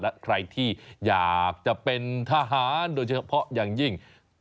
และใครที่อยากจะเป็นทหารโดยเฉพาะอย่างยิ่ง